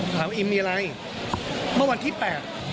ถามว่าอิ่มมีอะไรเมื่อวันที่แปด